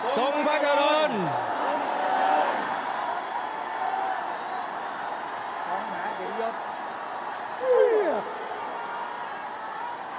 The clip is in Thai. สวัสดีครับ